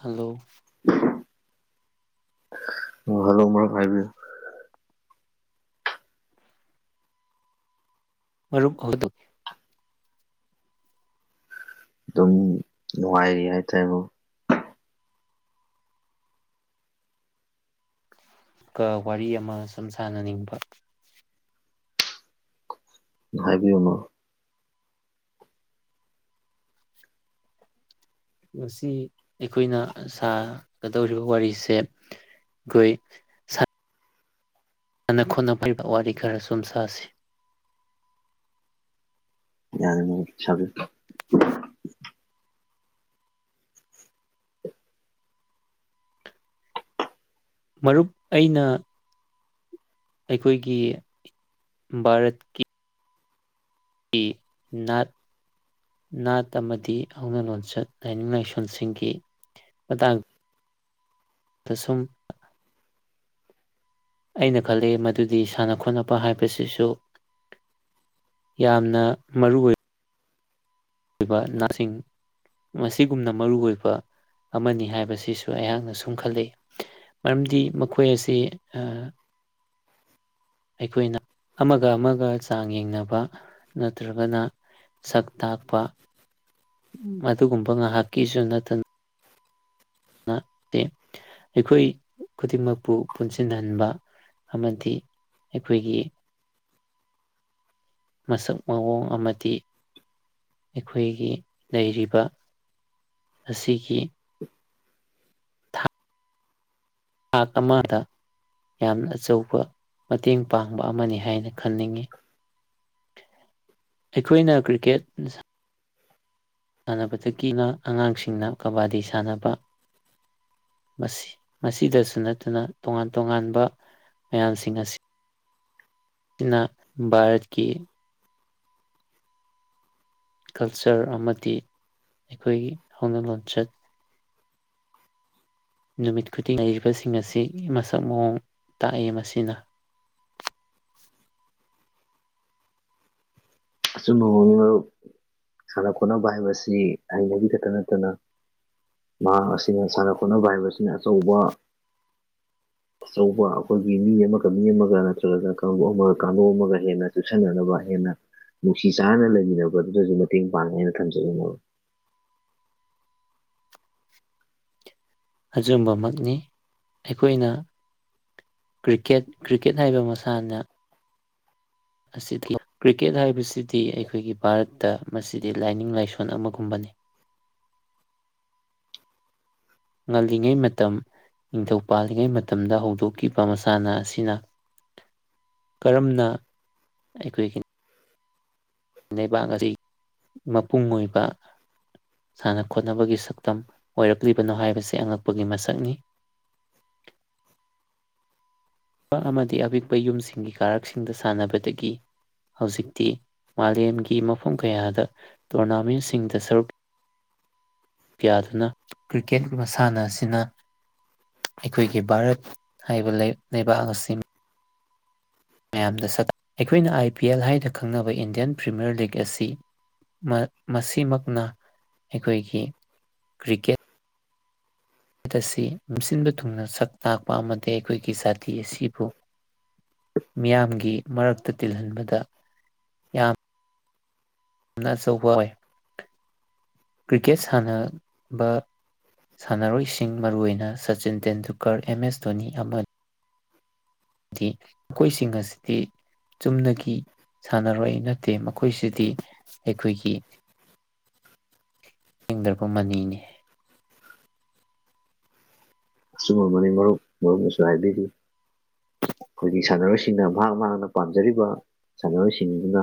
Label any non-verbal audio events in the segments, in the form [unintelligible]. Hello. ꯑ hello ꯃꯔꯨꯞ ꯍꯥꯏꯕꯤꯌꯣ꯫ ꯃꯔꯨꯞ ꯍꯧ [unintelligible] ꯑꯗꯨꯝ ꯅꯨꯡꯉꯥꯏꯔꯤ ꯍꯥꯏꯇꯥꯔꯦ ꯃꯔꯨꯞ ꯀ ꯋꯥꯔꯤ ꯑꯃ ꯁꯨꯝ ꯁꯥꯟꯅꯅꯤꯡꯕ꯫ ꯍꯥꯏꯕꯤꯌꯣ ꯃꯔꯨꯞ꯫ ꯉꯁꯤ ꯑꯩꯈꯣꯏꯅ ꯁꯥꯒꯗꯧꯔꯤꯕ ꯋꯥꯔꯤꯁꯦ ꯑꯩꯈꯣꯏ ꯁꯥꯟꯅ ꯈꯣꯠꯅ ꯕꯒꯤ ꯋꯥꯔꯤ ꯈꯔ ꯁꯨꯝ ꯁꯥꯁꯤ ꯌꯥꯅꯤ ꯁꯪ [unintelligible] ꯃꯔꯨꯞ ꯑꯩꯅ ꯑꯩꯈꯣꯏꯒꯤ ꯚꯥꯔꯠꯀꯤ ꯀꯤ ꯅꯥꯠ ꯅꯥꯠ ꯑꯃꯗꯤ ꯍꯧꯅ ꯂꯣꯟꯆꯠ ꯂꯥꯏꯅꯤꯡ ꯂꯥꯏꯁꯣꯟꯁꯤꯡꯒꯤ ꯃꯇꯥꯡ ꯗ ꯁꯨꯝ ꯑꯩꯅ ꯈꯜꯂꯤ ꯃꯗꯨꯗꯤ ꯁꯥꯟꯅ ꯈꯣꯠꯅꯕ ꯍꯥꯏꯕꯁꯤꯁꯨ ꯌꯥꯝꯅ ꯃꯔꯨ ꯑꯣꯏ ꯑꯣꯏꯕ ꯅꯅꯥꯁꯤꯡ ꯃꯁꯤꯒꯨꯝꯅ ꯃꯔꯨ ꯑꯣꯏꯕ ꯑꯃꯅꯤ ꯍꯥꯏꯕꯁꯤꯁꯨ ꯑꯩꯍꯥꯛꯅ ꯁꯨꯝ ꯈꯜꯂꯤ ꯃꯔꯝꯗꯤ ꯃꯈꯣꯏ ꯑꯁꯤ ꯑꯥ ꯑꯩꯈꯣꯏꯅ ꯑꯃꯒ ꯑꯃꯒ ꯆꯥꯡ ꯌꯦꯡꯅꯕ ꯅꯠꯇ꯭ꯔꯒꯅ ꯁꯛ ꯇꯥꯛꯄ ꯃꯗꯨꯒꯨꯝꯕ ꯉꯥꯏꯍꯥꯛꯀꯤꯁꯨ ꯅꯠꯇꯅ ꯅꯥꯠ ꯑꯦ ꯑꯩꯈꯣꯏ ꯈꯨꯗꯤꯡꯃꯛꯄꯨ ꯄꯨꯟꯁꯤꯟꯍꯟꯕ ꯑꯃꯗꯤ ꯑꯩꯈꯣꯏꯒꯤ ꯃꯁꯛ ꯃꯑꯣꯡ ꯑꯃꯗꯤ ꯑꯩꯈꯣꯏꯒꯤ ꯂꯩꯔꯤꯕ ꯑꯁꯤꯒꯤ ꯊꯥ ꯊꯥꯛ ꯑꯃꯗ ꯌꯥꯝꯅ ꯑꯆꯧꯕ ꯃꯇꯦꯡ ꯄꯥꯡꯕ ꯑꯃꯅꯤ ꯍꯥꯏꯅ ꯈꯟꯅꯤꯡꯉꯤ ꯑꯩꯈꯣꯏꯅ ꯀ꯭ꯔꯤꯀꯦꯠ ꯁꯥꯟꯅꯕꯗꯒꯤꯅ ꯑꯉꯥꯡꯁꯤꯡꯅ ꯀꯕꯥꯗꯤ ꯁꯥꯟꯅꯕ ꯃꯁꯤ ꯃꯁꯤꯗꯁꯨ ꯅꯠꯇꯅ ꯇꯣꯉꯥꯟ ꯇꯣꯉꯥꯟꯕ ꯃꯌꯥꯝꯁꯤꯡ ꯑꯁꯤ ꯅ ꯚꯥꯔꯠꯀꯤ ꯀꯜꯆꯔ ꯑꯃꯗꯤ ꯑꯩꯈꯣꯏꯒꯤ ꯍꯧꯅ ꯂꯣꯟꯆꯠ ꯅꯨꯃꯤꯠ ꯈꯨꯗꯤꯡꯒꯤ ꯂꯩꯔꯤꯕꯁꯤꯡ ꯑꯁꯤ ꯃꯁꯛ ꯃꯑꯣꯡ ꯇꯥꯛꯏ ꯃꯁꯤꯅ ꯑꯆꯨꯝꯕ [unintelligible] ꯃꯔꯨꯞ ꯁꯥꯟꯅ ꯈꯣꯠꯅꯕ ꯍꯥꯏꯕꯁꯤ ꯍꯩꯕꯒꯤ ꯈꯛꯇ ꯅꯠꯇꯅ ꯃꯍꯥꯛ ꯑꯁꯤꯅ ꯁꯥꯟꯅ ꯈꯣꯠꯅꯕ ꯍꯥꯏꯕꯁꯤꯅ ꯑꯆꯧꯕ [inaudible] ꯑꯆꯧꯕ ꯑꯩꯈꯣꯏꯒꯤ ꯃꯤ ꯑꯃꯒ ꯃꯤ ꯑꯃꯒ ꯅꯠꯇ꯭ꯔꯒ ꯀꯥꯡꯕꯨ ꯑꯃꯒ ꯀꯥꯡꯕꯨ ꯑꯃꯒ ꯍꯦꯟꯅ ꯆꯨꯁꯟꯅꯅꯕ ꯍꯦꯟꯅ ꯅꯨꯡꯁꯤ ꯆꯥꯟꯅꯅ ꯂꯩꯃꯤꯟꯅꯕ ꯑꯗꯨꯗꯁꯨ ꯃꯇꯦꯡ ꯄꯥꯡꯉꯦ ꯍꯥꯏꯅ ꯊꯝꯖꯒꯦ ꯃꯔꯨꯞ ꯍꯖꯥꯝꯕꯃꯛꯅꯤ ꯑꯩꯈꯣꯏꯅ ꯀ꯭ꯔꯤꯛꯀꯦꯠ ꯀ꯭ꯔꯤꯛꯀꯦꯠ ꯍꯥꯏꯕ ꯃꯁꯥꯟꯅ ꯑꯁꯤꯗꯤ ꯀ꯭ꯔꯤꯛꯀꯦꯠ ꯍꯥꯏꯕꯁꯤꯗꯤ ꯑꯩꯈꯣꯏꯒꯤ ꯚꯥꯔꯠꯇ ꯃꯁꯤꯗꯤ ꯂꯥꯏꯅꯤꯡ ꯂꯥꯏꯁꯣꯟ ꯑꯃꯒꯨꯝꯕꯅꯤ ꯉꯜꯂꯤꯉꯩ ꯃꯇꯝ ꯅꯤꯡꯊꯧ ꯄꯥꯜꯂꯤꯉꯩ ꯃꯇꯝꯗ ꯍꯧꯗꯣꯛꯈꯤꯕ ꯃꯁꯥꯟꯅ ꯑꯁꯤꯅ ꯀꯔꯝꯅ ꯑꯩꯈꯣꯏꯒꯤ ꯂꯩꯕꯥꯛ ꯑꯁꯤ ꯃꯄꯨꯡ ꯑꯣꯏꯕ ꯁꯥꯟꯅ ꯈꯣꯠꯅꯕꯒꯤ ꯁꯛꯇꯝ ꯑꯣꯏꯔꯛꯂꯤꯕꯅꯣ ꯍꯥꯏꯕꯁꯤ ꯑꯉꯛꯄꯒꯤ ꯃꯁꯛꯅꯤ [unintelligible] ꯑꯃꯗꯤ ꯑꯄꯤꯛꯄ ꯌꯨꯝꯁꯤꯡꯒꯤ ꯀꯥꯔꯛꯁꯤꯡꯗ ꯁꯥꯟꯅꯕꯗꯒꯤ ꯍꯧꯖꯤꯛꯇꯤ ꯃꯥꯂꯦꯝꯒꯤ ꯃꯐꯝ ꯀꯌꯥꯗ ꯇꯣꯔꯅꯥꯃꯦꯟꯁꯤꯡꯗ ꯁꯔꯨꯛ ꯌꯥꯗꯨꯅ ꯀ꯭ꯔꯤꯛꯀꯦꯠ ꯃꯁꯥꯟꯅ ꯑꯁꯤꯅ ꯑꯩꯈꯣꯏꯒꯤ ꯚꯥꯔꯠ ꯍꯥꯏꯕ ꯂꯩꯕꯥꯛ ꯑꯁꯤꯟ ꯃꯌꯥꯝꯗ ꯁꯥꯛ ꯑꯩꯈꯣꯏꯅ ꯑꯥꯏ ꯄꯤ ꯑꯦꯜ ꯍꯥꯏꯅ ꯈꯪꯅꯕ ꯏꯟꯗꯤꯌꯥꯟ ꯄ꯭ꯔꯤꯃꯤꯌꯔ ꯂꯦꯛ ꯑꯁꯤ ꯃꯁꯤꯃꯛꯅ ꯑꯩꯈꯣꯏꯒꯤ ꯀ꯭ꯔꯤꯀꯦꯠ [unintelligible] ꯑꯁꯤ ꯃꯁꯤꯟꯕ ꯊꯨꯡꯅ ꯁꯛ ꯇꯥꯛꯄ ꯑꯃꯗꯤ ꯑꯩꯈꯣꯏꯒꯤ ꯖꯥꯇꯤ ꯑꯁꯤꯕꯨ ꯃꯤꯌꯥꯝꯒꯤ ꯃꯔꯛꯇ ꯇꯤꯜꯍꯟꯕꯗ ꯌꯥꯝꯅ ꯑꯆꯧꯕ ꯑꯣꯏ ꯀ꯭ꯔꯤꯀꯦꯠ ꯁꯥꯟꯅꯕ ꯁꯥꯟꯅꯔꯣꯏꯁꯤꯡ ꯃꯔꯨ ꯑꯣꯏꯅ ꯁꯆꯤꯟ ꯇꯦꯟꯗꯨꯜꯀꯔ ꯑꯦꯝ ꯑꯦꯁ ꯙꯣꯅꯤ ꯑꯃ ꯍꯥꯏꯗꯤ ꯃꯈꯣꯏꯁꯤꯡ ꯑꯁꯤꯗꯤ ꯆꯨꯝꯅꯒꯤ ꯁꯥꯟꯅꯔꯣꯏ ꯅꯠꯇꯦ ꯃꯈꯣꯏꯁꯤꯗꯤ ꯑꯩꯈꯣꯏꯒꯤ ꯍꯤꯡꯗ꯭ꯔꯛꯄ ꯃꯅꯤꯅꯤ ꯑꯆꯨꯝ ꯃꯕꯅꯤ ꯃꯔꯨꯞ ꯃꯔꯨꯝꯅꯁꯨ ꯍꯥꯏꯕꯤꯔꯤ ꯑꯩꯈꯣꯏꯒꯤ ꯁꯥꯟꯅꯔꯣꯏꯁꯤꯡꯅ ꯃꯍꯥꯛ ꯃꯍꯥꯛꯅ ꯄꯥꯝꯖꯔꯤꯕ ꯁꯥꯟꯅꯔꯣꯏꯁꯤꯡꯗꯨꯅ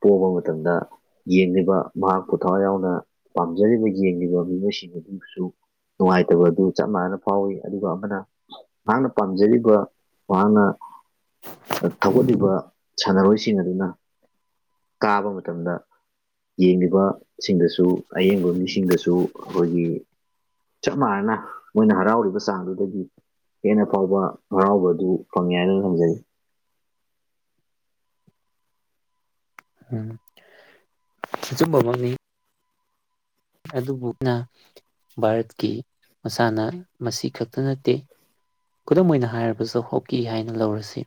ꯄꯣꯕ ꯃꯇꯝꯗ ꯌꯦꯡꯂꯤꯕ ꯃꯍꯥꯛꯄꯨ ꯊꯋꯥꯏ ꯌꯥꯎꯅ ꯄꯥꯝꯖꯔꯤꯕ ꯌꯦꯡꯂꯤꯕ ꯃꯤꯑꯣꯏꯁꯤꯡ ꯑꯗꯨꯁꯨ ꯅꯨꯡꯉꯥꯏꯇꯕ ꯑꯗꯨ ꯆꯞ ꯃꯥꯟꯅꯅ ꯐꯥꯎꯏ ꯑꯗꯨꯒ ꯑꯃꯅ ꯃꯍꯥꯛꯅ ꯄꯥꯝꯖꯔꯤꯕ ꯃꯍꯥꯛꯅ ꯊꯧꯒꯠꯂꯤꯕ ꯁꯥꯟꯅꯔꯣꯏꯁꯤꯡ ꯑꯗꯨꯅ ꯀꯥꯕ ꯃꯇꯝꯗ ꯌꯦꯡꯂꯤꯕ ꯁꯤꯡꯗꯁꯨ ꯑꯌꯦꯡꯕ ꯃꯤꯁꯤꯡꯗꯁꯨ ꯑꯩꯈꯣꯏꯒꯤ ꯆꯞ ꯃꯥꯟꯅꯅꯥ ꯃꯣꯏꯅ ꯍꯔꯥꯎꯔꯤꯕ ꯆꯥꯡꯗꯨꯗꯒꯤ ꯍꯦꯟꯅ ꯐꯥꯎꯕ ꯍꯔꯥꯎꯕ ꯑꯗꯨ ꯐꯪꯉ ꯍꯥꯏꯅ ꯊꯝꯖꯒ ꯎꯝ ꯑꯆꯨꯝꯕ ꯑꯃꯅꯤ ꯑꯗꯨꯕꯨꯅ ꯚꯥꯔꯠꯀꯤ ꯃꯁꯥꯟꯅ ꯃꯁꯤ ꯈꯛꯇ ꯅꯠꯇꯦ ꯈꯨꯗꯝ ꯑꯣꯏꯅ ꯍꯥꯏꯔꯕꯁꯨ ꯍꯣꯛꯀꯤ ꯍꯥꯏꯅ ꯂꯧꯔꯁꯤ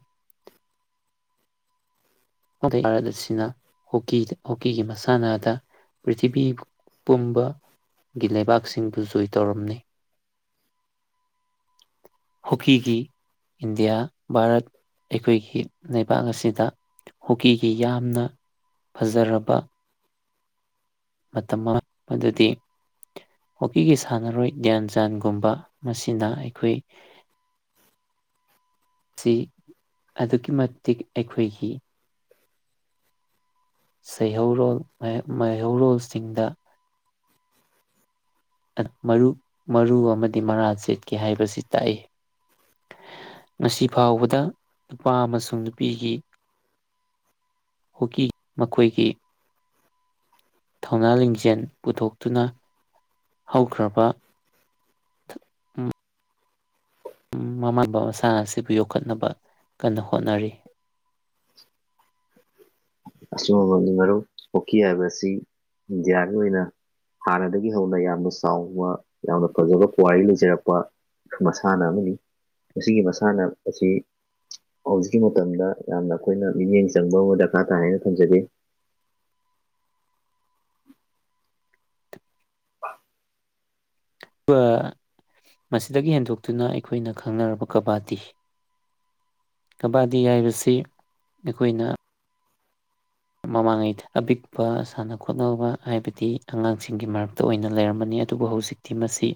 ꯑꯗ ꯚꯥꯔꯠ ꯑꯁꯤꯅ ꯍꯣꯛꯀꯤ ꯍꯣꯛꯀꯤꯒꯤ ꯃꯁꯥꯟꯅꯗ ꯄ꯭ꯔꯤꯊꯤꯕꯤ ꯄꯨꯝꯕꯒꯤ ꯂꯩꯕꯥꯛꯁꯤꯡꯗꯨ ꯖꯣꯏ ꯇꯧꯔꯝꯅꯤ ꯍꯣꯛꯀꯤꯒꯤ ꯏꯟꯗꯤꯌꯥ ꯚꯥꯔꯠ ꯑꯩꯈꯣꯏꯒꯤ ꯂꯩꯕꯥꯛ ꯑꯁꯤꯗ ꯍꯣꯛꯀꯤꯒꯤ ꯌꯥꯝꯅ ꯐꯖꯔꯕ ꯃꯇꯝ ꯃꯥ ꯃꯗꯨꯗꯤ ꯍꯣꯛꯀꯤꯒꯤ ꯁꯥꯟꯅꯔꯣꯏ ꯒ꯭ꯌꯥꯟ ꯆꯥꯟꯒꯨꯝꯕ ꯃꯁꯤꯅ ꯑꯩꯈꯣꯏ ꯁꯤ ꯑꯗꯨꯛꯀꯤ ꯃꯇꯤꯛ ꯑꯩꯈꯣꯏꯒꯤ ꯁꯩꯍꯧꯔꯣꯜ ꯃꯩꯍꯧꯔꯣꯜꯁꯤꯡꯗ ꯃꯔꯨ ꯃꯔꯨ ꯑꯃꯗꯤ ꯃꯔꯥ ꯁꯦꯠꯀꯦ ꯍꯥꯏꯕꯁꯤ ꯇꯥꯛꯏ ꯉꯁꯤ ꯐꯥꯎꯕꯗ ꯅꯨꯄꯥ ꯑꯃꯁꯨꯡ ꯅꯨꯄꯤꯒꯤ ꯍꯣꯛꯀꯤ ꯃꯈꯣꯏꯒꯤ ꯊꯧꯅꯥ ꯂꯤꯡꯖꯦꯜ ꯄꯨꯊꯣꯛꯇꯨꯅ ꯍꯧꯈ꯭ꯔꯕ ꯃꯃꯥꯅꯕꯄꯥ ꯃꯁꯥꯟꯅ ꯑꯁꯤꯕꯨ ꯌꯣꯛꯈꯠꯅꯕ ꯀꯟꯅ ꯍꯣꯠꯅꯔꯤ ꯑꯒꯨꯝꯕꯕꯡ ꯃꯔꯨ [unintelligible] ꯍꯣꯛꯀꯤ ꯍꯥꯏꯕ ꯑꯁꯤ ꯏꯟꯗꯤꯌꯥꯒꯤ ꯑꯣꯏꯅ ꯍꯥꯟꯅꯗꯒꯤ ꯍꯧꯅ ꯌꯥꯝꯅ ꯆꯥꯎꯕ ꯌꯥꯝꯅ ꯐꯖꯕ ꯄꯨꯋꯥꯔꯤ ꯂꯩꯖꯔꯛꯄ ꯃꯁꯥꯟꯅ ꯑꯃꯅꯤ ꯃꯁꯤꯒꯤ ꯃꯁꯥꯟꯅ ꯑꯁꯤ ꯍꯧꯖꯤꯛꯀꯤ ꯃꯇꯝꯗ ꯌꯥꯝꯅ ꯑꯩꯈꯣꯏꯅ ꯃꯤꯠꯌꯦꯡ ꯆꯪꯕ ꯑꯃ ꯗꯔꯀꯥꯔ ꯇꯥꯥꯏꯅ ꯊꯝꯖꯒꯦ [unintelligible] ꯃꯁꯤꯗꯒꯤ ꯍꯦꯟꯗꯣꯛꯇꯨꯅ ꯑꯩꯈꯣꯏꯅ ꯈꯪꯅꯔꯕ ꯀꯕꯥꯇꯤ ꯀꯕꯥꯗꯤ ꯍꯥꯏꯕꯁꯤ ꯑꯩꯈꯣꯏꯅ ꯃꯃꯥꯡꯉꯩꯗ ꯑꯄꯤꯛꯄ ꯁꯥꯟꯅ ꯈꯣꯠꯅꯕ ꯍꯥꯏꯕꯗꯤ ꯑꯉꯥꯡꯁꯤꯡꯒꯤ ꯃꯔꯛꯇ ꯑꯣꯏꯅ ꯂꯩꯔꯝꯕꯅꯤ ꯑꯗꯨꯕꯨ ꯍꯧꯖꯤꯛ ꯊꯤꯝ ꯑꯁꯤ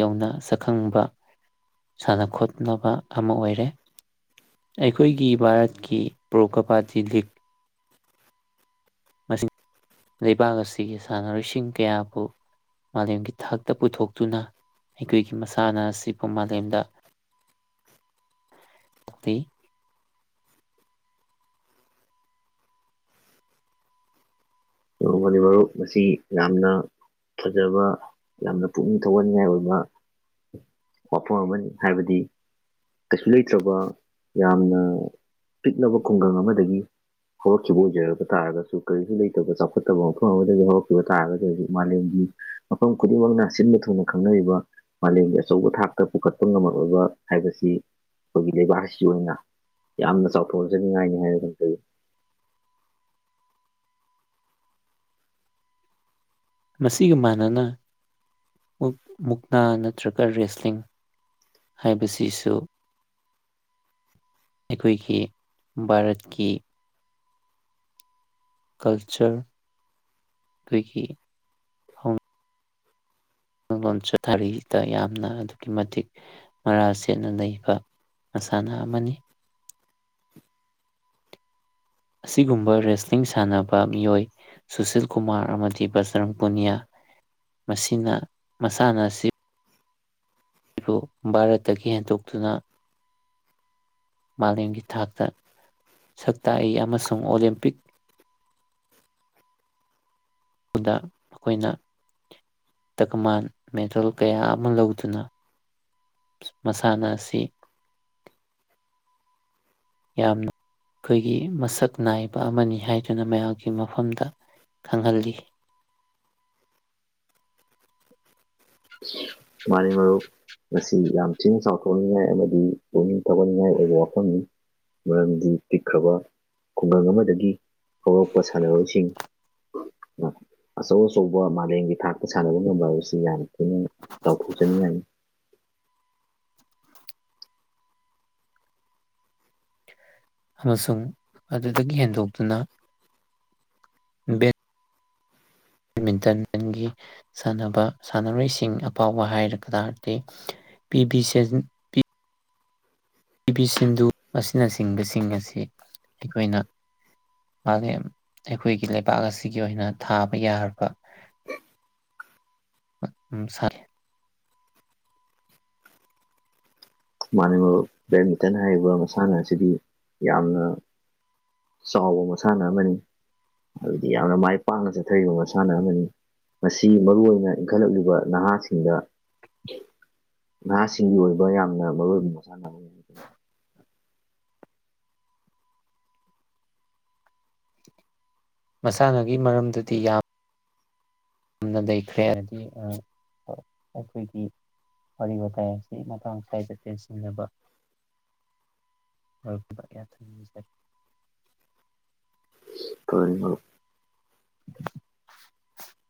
ꯌꯧꯅ ꯁꯛꯈꯪꯕ ꯁꯥꯟꯅ ꯈꯣꯠꯅꯕ ꯑꯃ ꯑꯣꯏꯔꯦ ꯑꯩꯈꯣꯏꯒꯤ ꯚꯥꯔꯠꯀꯤ ꯄ꯭ꯔꯣ ꯀꯄꯥꯇꯤ ꯂꯤꯛ ꯂꯩꯕꯥꯛ ꯑꯁꯤꯒꯤ ꯁꯥꯟꯅꯔꯣꯏꯁꯤꯡ ꯀꯌꯥꯕꯨ ꯃꯥꯂꯦꯝꯒꯤ ꯊꯥꯛꯇ ꯄꯨꯊꯣꯛꯇꯨꯅ ꯑꯩꯈꯣꯏꯒꯤ ꯃꯁꯥꯟꯅ ꯑꯁꯤꯕꯨ ꯃꯥꯂꯦꯝꯗ ꯎꯤ [unintelligible] ꯅ‌ꯣꯡꯃꯒꯤ ꯃꯔꯨꯞ ꯃꯁꯤ ꯌꯥꯝꯅ ꯐꯖꯕ ꯌꯥꯝꯅ ꯄꯨꯛꯅꯤꯡ ꯊꯧꯒꯠꯅꯤꯡꯉꯥꯏ ꯑꯣꯏꯕ ꯋꯥꯐꯝ ꯑꯃꯅꯤ ꯍꯥꯏꯕꯗꯤ ꯀꯩꯁꯨ ꯂꯩꯇ꯭ꯔꯕ ꯌꯥꯝꯅ ꯄꯤꯛꯂꯕ ꯈꯨꯡꯒꯪ ꯑꯃꯗꯒꯤ ꯍꯧꯔꯛꯈꯤꯕ ꯑꯣꯏꯖꯔꯕ ꯇꯥꯔꯒꯁꯨ ꯀꯔꯤꯁꯨ ꯂꯩꯇꯕ ꯆꯥꯎꯈꯠ ꯐꯠꯇꯕ ꯃꯐꯝ ꯑꯃꯗꯒꯤ ꯍꯧꯔꯛꯈꯤꯕ ꯇꯥꯔꯒꯗꯤ ꯍꯧꯖꯤꯛ ꯃꯥꯂꯦꯝꯒꯤ ꯃꯐꯝ ꯈꯨꯗꯤꯡꯃꯛꯅ ꯁꯤꯟꯕ ꯊꯨꯡꯅ ꯈꯪꯅꯔꯤꯕ ꯃꯥꯂꯦꯝꯒꯤ ꯑꯆꯧꯕ ꯊꯥꯛꯇ ꯄꯨꯈꯠꯄ ꯉꯝꯃꯣꯏꯕ ꯍꯥꯏꯕꯁꯤ ꯑꯩꯈꯣꯏꯒꯤ ꯂꯩꯕꯥꯛꯁꯤ ꯑꯣꯏꯅ ꯌꯥꯝꯅ ꯆꯥꯎꯊꯣꯛꯆꯅꯤꯡꯉꯥꯏꯅꯤ ꯍꯥꯏꯔꯒ ꯐꯩ ꯃꯁꯤꯒ ꯃꯥꯟꯅꯅ ꯃꯨꯜ ꯃꯨꯛꯅꯥ ꯅꯠꯇ꯭ꯔꯒ ꯔꯦꯁꯂꯤꯡ ꯍꯥꯏꯕꯁꯤꯁꯨ ꯑꯩꯈꯣꯏꯒꯤ ꯚꯥꯔꯠꯀꯤ ꯀꯜꯆꯔ ꯑꯩꯈꯣꯏꯒꯤ ꯐꯝꯚꯝ ꯆꯊꯔꯤꯗ ꯌꯥꯝꯅ ꯑꯗꯨꯛꯀꯤ ꯃꯇꯤꯛ ꯃꯔꯥ ꯁꯦꯠꯅ ꯂꯩꯕ ꯃꯁꯥꯟꯅ ꯑꯃꯅꯤ ꯑꯁꯤꯒꯨꯝꯕ ꯔꯦꯁꯂꯤꯡ ꯁꯥꯟꯅꯕ ꯃꯤꯑꯣꯏ ꯁꯨꯁꯤꯜ ꯀꯨꯃꯥꯔ ꯑꯃꯗꯤ ꯕꯁꯔꯝ ꯄꯨꯅꯤꯌꯥ ꯃꯁꯤꯅ ꯃꯁꯥꯟꯅ ꯑꯁꯤ ꯕꯨ ꯚꯥꯔꯠꯇꯒꯤ ꯍꯦꯟꯗꯣꯛꯇꯨꯅ ꯃꯥꯂꯦꯝꯒꯤ ꯊꯥꯛꯇ ꯁꯛ ꯇꯥꯛꯏ ꯑꯃꯁꯨꯡ ꯑꯣꯂꯦꯝꯄꯤꯛ ꯗ ꯑꯩꯈꯣꯏꯅ ꯗꯀꯃꯥꯟ ꯃꯦꯗꯜ ꯀꯌꯥ ꯑꯃ ꯂꯧꯗꯨꯅ ꯃꯁꯥꯟꯅ ꯑꯁꯤ ꯌꯥꯝꯅ ꯑꯩꯈꯣꯏꯒꯤ ꯃꯁꯛ ꯅꯥꯏꯕ ꯑꯃꯅꯤ ꯍꯥꯏꯗꯨꯅ ꯃꯌꯥꯝꯒꯤ ꯃꯐꯝꯗ ꯈꯪꯍꯜꯂꯤ ꯃꯥꯅꯤ ꯃꯔꯨꯞ ꯃꯁꯤ ꯌꯥꯝ ꯊꯤꯅ ꯆꯥꯎꯊꯣꯛꯅꯤꯡꯉꯥꯏ ꯑꯃꯗꯤ ꯄꯨꯛꯅꯤꯡ ꯊꯧꯒꯠꯅꯤꯡꯉꯥꯏ ꯑꯣꯏꯕ ꯋꯥꯐꯝꯅꯤ꯫ ꯃꯔꯝꯗꯤ ꯄꯤꯛꯈ꯭ꯔꯕ ꯈꯨꯡꯒꯪ ꯑꯃꯗꯒꯤ ꯍꯧꯔꯛꯄ ꯁꯥꯟꯅꯔꯣꯏꯁꯤꯡ ꯑꯆꯧ ꯑꯆꯧꯕ ꯃꯥꯂꯦꯝꯒꯤ ꯊꯥꯛꯇ ꯁꯥꯟꯅꯕ ꯉꯝꯕ ꯍꯥꯏꯕꯁꯤ ꯌꯥꯝ ꯊꯤꯅ ꯆꯥꯎ ꯊꯣꯡꯖꯅꯤꯡꯉꯥꯏꯅꯤ꯫ ꯑꯃꯁꯨꯡ ꯑꯗꯨꯗꯒꯤ ꯍꯦꯟꯗꯣꯛꯇꯨꯅ ꯃꯤꯟꯇꯟꯒꯤ ꯁꯥꯟꯅꯕ ꯁꯥꯟꯅꯔꯣꯏꯁꯤꯡ ꯑꯐꯥꯎꯕ ꯍꯥꯏꯔꯒ ꯇꯥꯔꯗꯤ ꯄꯤ ꯕꯤ ꯁꯟ ꯄꯤ ꯚꯤ ꯁꯤꯟꯙꯨ ꯑꯁꯤꯅꯆꯤꯡꯕꯁꯤꯡ ꯑꯁꯤ ꯑꯩꯈꯣꯏꯅ ꯃꯥꯂꯦꯝ ꯑꯩꯈꯣꯏꯒꯤ ꯂꯩꯕꯥꯛ ꯑꯁꯤꯒꯤ ꯑꯣꯏꯅ ꯊꯥꯕ ꯌꯥꯔꯕ ꯎꯝ ꯁꯥꯔꯦ ꯃꯥꯟꯅꯦ ꯃꯔꯨꯞ ꯕꯦꯠꯃꯤꯟꯇꯟ ꯍꯥꯏꯔꯤꯕ ꯃꯁꯥꯟꯅ ꯑꯁꯤꯗꯤ ꯌꯥꯝꯅ ꯆꯥꯎꯕ ꯃꯁꯥꯟꯅ ꯑꯃꯅꯤ꯫ ꯑꯗꯨꯗꯤ ꯌꯥꯝꯅ ꯃꯥꯏ ꯄꯥꯛꯅ ꯆꯠꯊꯔꯤꯕ ꯃꯁꯥꯟꯅ ꯑꯃꯅꯤ ꯃꯁꯤ ꯃꯔꯨ ꯑꯣꯏꯅ ꯏꯟꯈꯠꯂꯛꯂꯤꯕ ꯅꯍꯥꯁꯤꯡꯗ ꯅꯍꯥꯁꯤꯡꯒꯤ ꯑꯣꯏꯕ ꯌꯥꯝꯅ ꯃꯔꯨ ꯑꯣꯏꯕ ꯃꯁꯥꯟꯅ ꯑꯃꯅꯤ꯫ ꯃꯁꯥꯟꯅꯒꯤ ꯃꯔꯝꯗꯗꯤ ꯌꯥꯝ ꯌꯥꯝꯅ ꯂꯩꯈ꯭ꯔꯦ ꯍꯥꯏꯗꯤ ꯑꯩꯈꯣꯏꯒꯤ ꯋꯥꯔꯤ ꯋꯥꯇꯥꯏ ꯑꯁꯤ ꯃꯇꯥꯡ ꯁ꯭ꯋꯥꯏꯗ ꯇꯦꯟꯁꯤꯟꯅꯕ [unintelligible] [unintelligible] [inaudible]